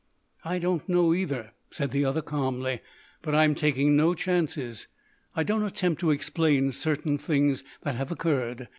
"I don't know either," said the other calmly, "but I am taking no chances. I don't attempt to explain certain things that have occurred.